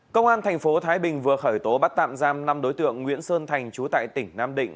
công an thành phố thái bình vừa khởi tố bắt tạm giam năm đối tượng nguyễn sơn thành trú tại tỉnh nam định